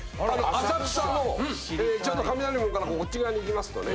浅草の雷門からこっち側に行きますとね